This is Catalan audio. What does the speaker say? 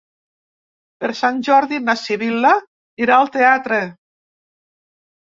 Per Sant Jordi na Sibil·la irà al teatre.